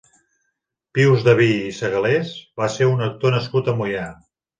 Pius Daví i Segalés va ser un actor nascut a Moià.